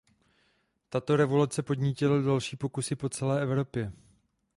Tato revoluce podnítila další pokusy po celé Evropě.